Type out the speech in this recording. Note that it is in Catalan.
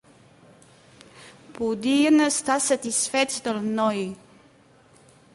Podien estar satisfets del noi